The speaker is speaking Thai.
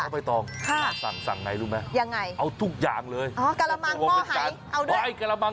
เป็ดย่างเฟลดพั